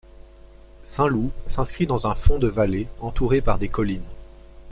Saint-Loup s’inscrit dans un fond de vallée entouré par des collines.